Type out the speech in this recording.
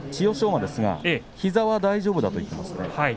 馬ですが膝は大丈夫だと言っています。